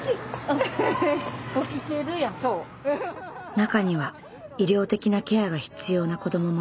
中には医療的なケアが必要な子どももいます。